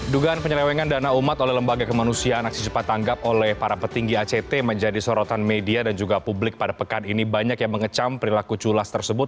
dugaan penyelewengan dana umat oleh lembaga kemanusiaan aksi cepat tanggap oleh para petinggi act menjadi sorotan media dan juga publik pada pekan ini banyak yang mengecam perilaku culas tersebut